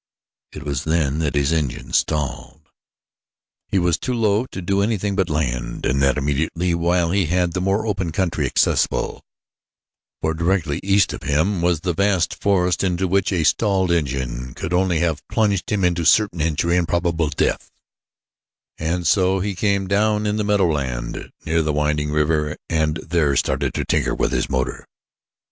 It was then that his engine stalled. He was too low to do anything but land, and that immediately, while he had the more open country accessible, for directly east of him was a vast forest into which a stalled engine could only have plunged him to certain injury and probable death; and so he came down in the meadowland near the winding river and there started to tinker with his motor.